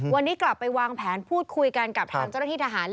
วันนี้กลับไปวางแผนพูดคุยกันกับทางเจ้าหน้าที่ทหาร